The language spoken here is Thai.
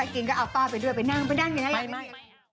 ก็เอาป้าไปด้วยไปนั่งไปนั่งอย่างไร